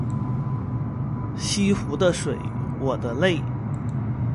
西湖的水我的泪